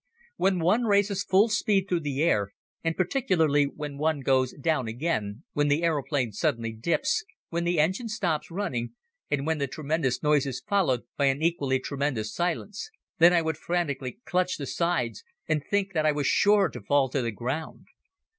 When one races full speed through the air, and particularly when one goes down again, when the aeroplane suddenly dips, when the engine stops running, and when the tremendous noise is followed by an equally tremendous silence, then I would frantically clutch the sides and think that I was sure to fall to the ground.